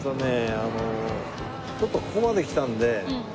あのちょっとここまで来たので。